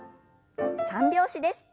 三拍子です。